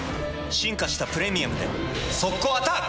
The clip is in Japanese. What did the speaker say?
進化した「プレミアム」で速攻アタック！